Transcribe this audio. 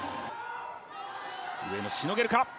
上野、しのげるか。